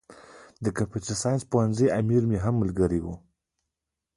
د کمپيوټر ساينس پوهنځي امر هم ملګری و.